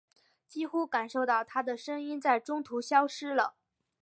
几乎感受到她的声音在中途消失了。